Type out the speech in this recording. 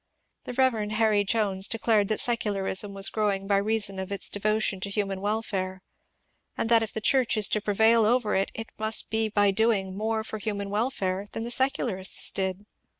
The Rev. Harry Jones declared that secularism was growing by reason of its devo tion to human welfare, and that if the Church is to prevail over it, it must be by doing more for human welfare than the secularists did.